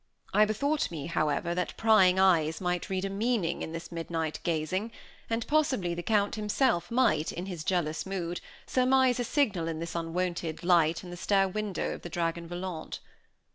I bethought me, however, that prying eyes might read a meaning in this midnight gazing, and possibly the Count himself might, in his jealous mood, surmise a signal in this unwonted light in the stair window of the Dragon Volant.